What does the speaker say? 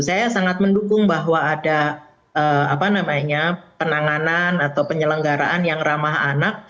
saya sangat mendukung bahwa ada penanganan atau penyelenggaraan yang ramah anak